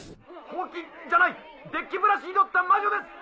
ホウキじゃないデッキブラシに乗った魔女です！